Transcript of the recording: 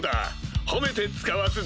褒めて遣わすぞ！